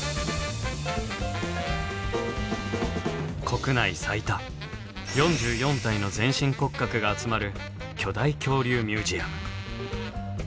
国内最多４４体の全身骨格が集まる巨大恐竜ミュージアム。